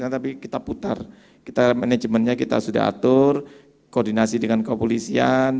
tapi kita putar kita manajemennya kita sudah atur koordinasi dengan kopolisian